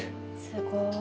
すごい。